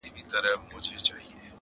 • ورو په ورو یې ور په زړه زړې نغمې کړې -